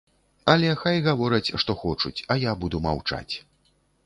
Але хай гавораць, што хочуць, а я буду маўчаць.